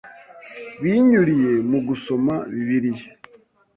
binyuriye mu gusoma Bibiliya